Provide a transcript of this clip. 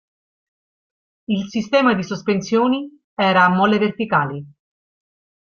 Il sistema di sospensioni era a molle verticali.